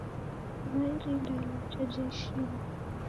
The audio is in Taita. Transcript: Rwaa irinda ilacha ja ishima.